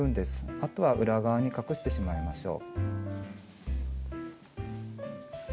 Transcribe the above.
あとは裏側に隠してしまいましょう。